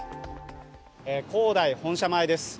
恒大本社前です。